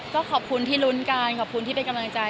ก็ขอบคุณที่ลุ้นกันขอบคุณที่เป็นกำลังใจ